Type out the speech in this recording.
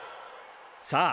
さあ！